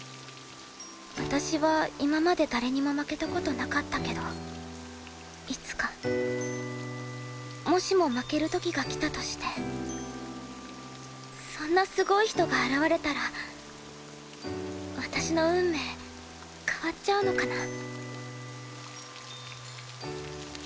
私は今まで誰にも負けた事なかったけどいつかもしも負ける時が来たとしてそんなすごい人が現れたら私の運命変わっちゃうのかな？